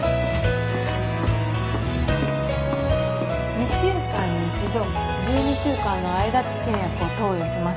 ２週間に一度１２週間の間治験薬を投与します